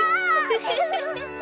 フフフフ。